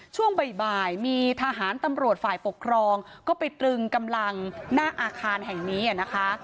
ช่วงบ่ายมีทหารตำรวจฝ่ายปกครองก็ไปตรึงกำลังหน้าอาคารแห่งนี้นะคะ